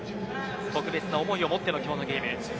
特別な思いを持っての今日のゲーム。